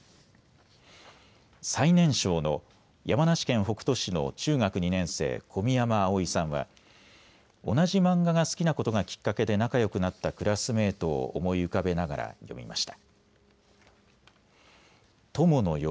最年少の山梨県北杜市の中学２年生、小宮山碧生さんは同じ漫画が好きなことがきっかけで仲よくなったクラスメートを思い浮かべながら詠みました。